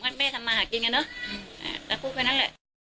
มันก็ไม่ทำมาหากินกันเนอะแล้วพูดไปนั่นแหละ